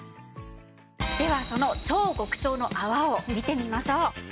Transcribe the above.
ではその超極小の泡を見てみましょう。